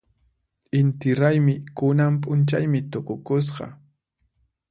Inti raymi kunan p'unchaymi tukukusqa.